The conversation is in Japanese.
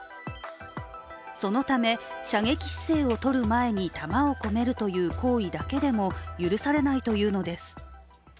そのため、射撃姿勢を取る前に弾を込めるという行為だけでも許されないというのです。